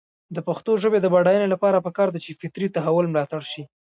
د پښتو ژبې د بډاینې لپاره پکار ده چې فطري تحول ملاتړ شي.